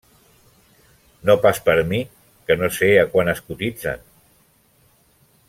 -No pas per mi, que no sé a quant es cotitzen.